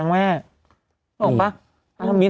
รู้หรือเปล่า